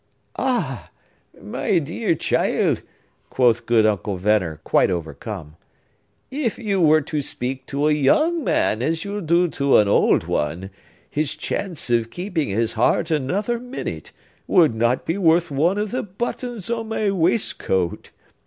"Ah! my dear child," quoth good Uncle Venner, quite overcome, "if you were to speak to a young man as you do to an old one, his chance of keeping his heart another minute would not be worth one of the buttons on my waistcoat!